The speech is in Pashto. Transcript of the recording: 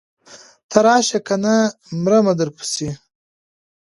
ته راشه کنه مرمه درپسې.